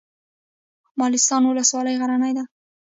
مالستان ولسوالۍ غرنۍ ده؟